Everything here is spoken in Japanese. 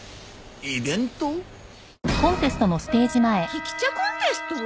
きき茶コンテスト？